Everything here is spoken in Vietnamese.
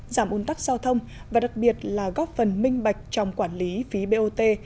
giảm un tắc giao thông và đặc biệt là góp phần minh bạch trong quản lý phí bot